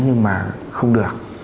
nhưng mà không được